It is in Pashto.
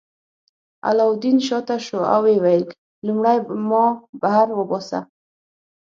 علاوالدین شاته شو او ویې ویل لومړی ما بهر وباسه.